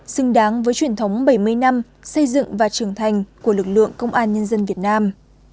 xứng đáng với truyền thống bảy mươi năm xây dựng và trưởng thành của lực lượng công an nhân dân việt nam